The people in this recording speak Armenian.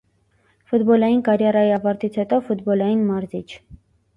Ֆուտբոլային կարիերայի ավարտից հետո՝ ֆուտբոլային մարզիչ։